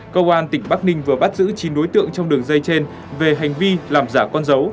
công an tỉnh bắc ninh vừa bắt giữ chín đối tượng trong đường dây trên về hành vi làm giả con dấu